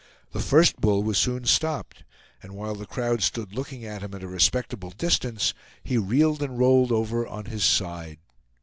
The first bull was soon stopped, and while the crowd stood looking at him at a respectable distance, he reeled and rolled over on his side.